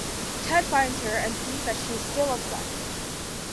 Ted finds her and sees that she is still upset.